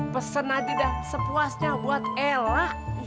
pesen aja sepuasnya buat ella